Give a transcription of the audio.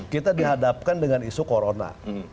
kita dihadapkan dengan isu corona